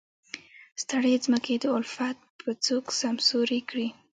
ستړې ځمکې د الفت به څوک سمسورې کړي.